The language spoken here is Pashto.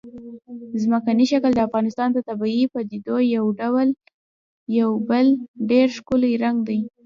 ځمکنی شکل د افغانستان د طبیعي پدیدو یو بل ډېر ښکلی رنګ دی.